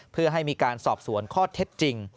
เพื่อให้มีการสอบสวนข้อเท็จจริง